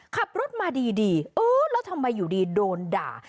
ขับรถมาดีเออแล้วทำไมอยู่ดีโดนด่า